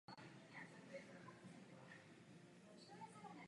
O to nás přece nežádají!